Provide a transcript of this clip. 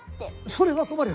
それは困る！